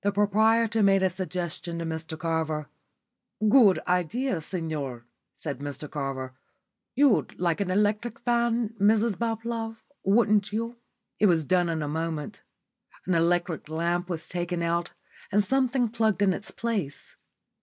The proprietor made a suggestion to Mr Carver. "Good idea, signor," said Mr Carver. "You'd like an electric fan, Mrs Bablove, wouldn't you?" It was done in a moment. An electric lamp was taken out, and something plugged in its place.